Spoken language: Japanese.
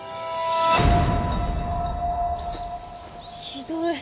ひどい！